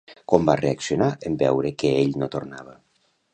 Com va reaccionar en veure que ell no tornava?